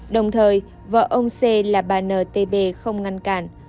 đồng thời vợ ông c là bà ntb không ngăn cản